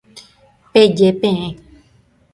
Peje peẽ.